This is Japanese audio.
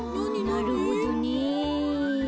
なるほどね。